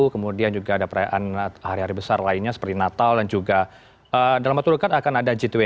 kemudian juga ada perayaan hari hari besar lainnya seperti natal dan juga dalam waktu dekat akan ada g dua puluh